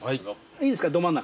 いいですかど真ん中。